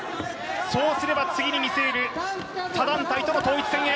そうすれば次に見据える多団体との統一戦へ。